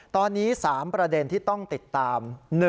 ตอนนี้๓ประเด็นที่ต้องติดตาม